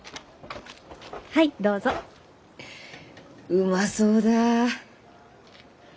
うまそうだ。